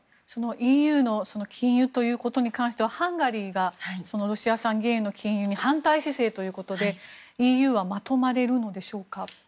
ＥＵの禁輸ということに関してはハンガリーがロシア産原油の禁輸に反対姿勢ということでＥＵはまとまれるんでしょうか。